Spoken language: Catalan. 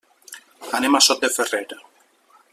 Anem a Sot de Ferrer.